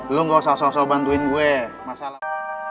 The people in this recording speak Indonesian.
lu gausah usah bantuin gua masalah